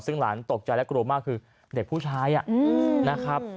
ซึ่งหลานตกใจและกลัวมากคือเด็กผู้ชายนะครับ